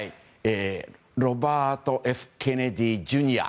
ロバート・Ｆ・ケネディ・ジュニア。